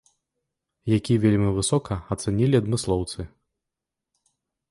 Які вельмі высока ацанілі адмыслоўцы.